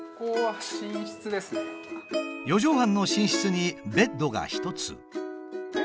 ４畳半の寝室にベッドが一つ。